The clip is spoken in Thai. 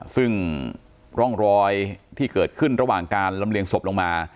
ซึ่งร่องรอยที่เกิดขึ้นระหว่างการลำเลียงศพลงมา